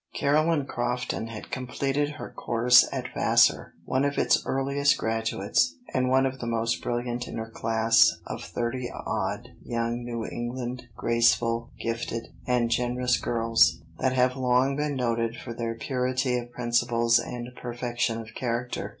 Caroline Crofton had completed her course at Vassar, one of its earliest graduates, and one of the most brilliant in her class of thirty odd young New England, graceful, gifted, and generous girls, that have long been noted for their purity of principles and perfection of character.